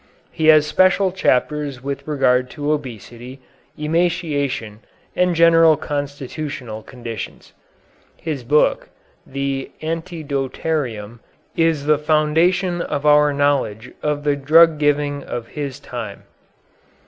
He has special chapters with regard to obesity, emaciation, and general constitutional conditions. His book, the "Antidotarium," is the foundation of our knowledge of the drug giving of his time.